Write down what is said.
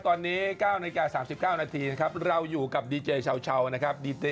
ตอนนี้๙นาฬิกา๓๙นาทีนะครับเราอยู่กับดีเจชาวนะครับ